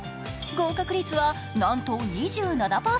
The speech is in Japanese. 合格率はなんと２７％。